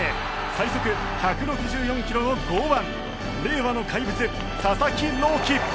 最速１６４キロの豪腕令和の怪物佐々木朗希。